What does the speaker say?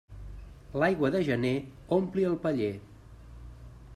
L'aigua de gener ompli el paller.